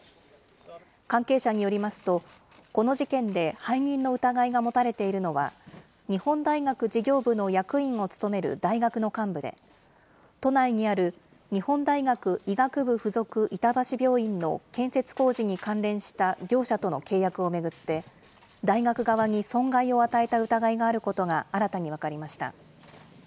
関係者によりますと、この事件で背任の疑いが持たれているのは、日本大学事業部の役員を務める大学の幹部で、都内にある日本大学医学部附属板橋病院の建設工事に関連した業者との契約を巡って、大学側に損害を与えた疑いがあることが新たに分かりました。